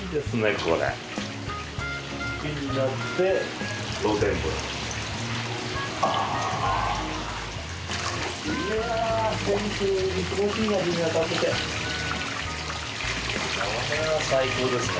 これは最高ですね。